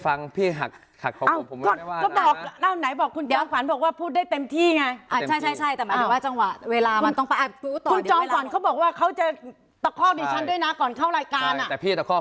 ยังไม่ได้เวลาไปต่อได้เลยครับ